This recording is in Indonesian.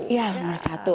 iya nomor satu